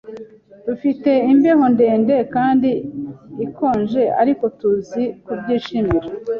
Dufite imbeho ndende kandi ikonje, ariko tuzi kubyishimira.